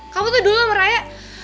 kamu tuh dulu sama raya